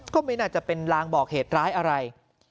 ก็ไม่น่าจะเป็นลางบอกเหตุร้ายอะไร